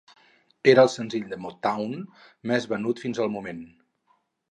Era el senzill de Motown més venut fins el moment.